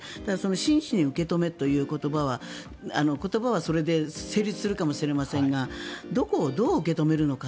真摯に受け止めという言葉は言葉はそれで成立するかもしれませんがどこをどう受け止めるのか。